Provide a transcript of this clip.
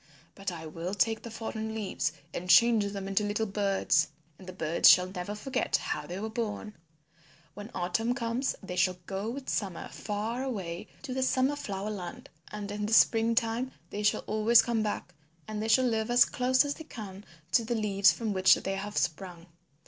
But I will take the fallen leaves and change them into little birds. And the birds shall never forget how they were born. When autumn comes they shall go with summer far away to the Summer Flower Land, but in the spring time they shall always come back and they shall live as close as they can to the leaves from which they have sprung.